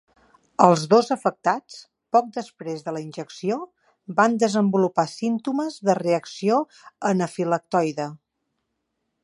Els dos afectats, poc després de la injecció, van desenvolupar símptomes de “reacció anafilactoide”.